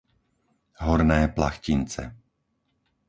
Horné Plachtince